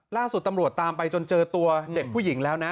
ล่าสุดตำรวจตามไปจนเจอตัวเด็กผู้หญิงแล้วนะ